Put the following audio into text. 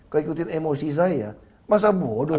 kalau ikutin emosi saya masa bodoh